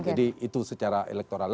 jadi itu secara elektoral